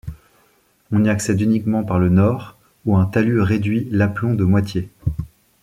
On y accède uniquement par le nord où un talus réduit l’aplomb de moitié.